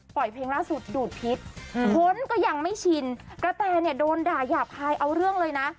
เพลงล่าสุดดูดพิษคนก็ยังไม่ชินกระแตเนี่ยโดนด่ายาบคายเอาเรื่องเลยนะ